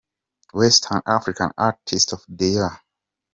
Western Africa artist of the year.